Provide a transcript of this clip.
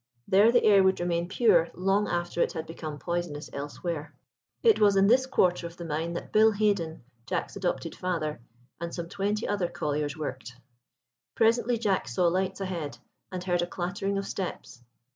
There the air would remain pure long after it had become poisonous elsewhere. It was in this quarter of the mine that Bill Haden (Jack's adopted father) and some twenty other colliers worked. Presently Jack saw lights ahead, and heard a clattering of steps.